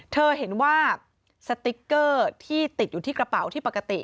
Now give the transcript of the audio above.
เธอเห็นว่าสติ๊กเกอร์ที่ติดอยู่ที่กระเป๋าที่ปกติ